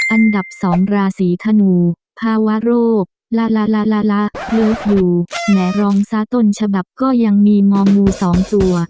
อันดับ๒ราศีธนูภาวะโรคลาลาลาลาลาเลิกอยู่แหมรองซาต้นฉบับก็ยังมีมองมู๒ตัว